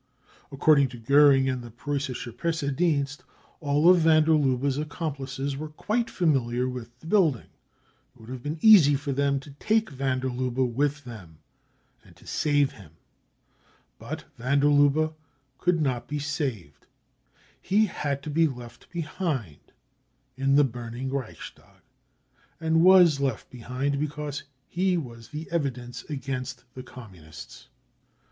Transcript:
According to Goering and the Preussische PresseSenst all of van der Lubbe's accomplices were quite familiar with the building ; it would have been easy for them to take van der Lubbe with them and to " save " t t I38 BROWN BOOK OF THE HITLER TERROR him. But van der Lubhe could not be "saved" He had to be left behind in the burning Reichstag, and was left behind, because he was the evidence against the Communists